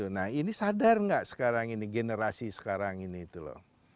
nah ini sadar nggak sekarang ini generasi sekarang ini itu loh